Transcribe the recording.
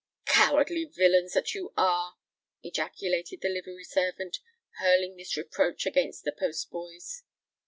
"Cowardly villains that you are!" ejaculated the livery servant, hurling this reproach against the postboys.